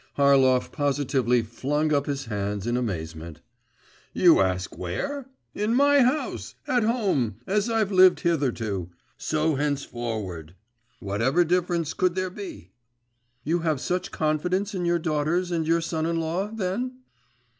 Harlov positively flung up his hands in amazement. 'You ask where? In my house, at home, as I've lived hitherto … so henceforward. Whatever difference could there be?' 'You have such confidence in your daughters and your son in law, then?